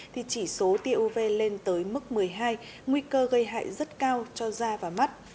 thì chỉ số tia uv lên tới mức một mươi hai nguy cơ gây hại rất cao cho da và mắt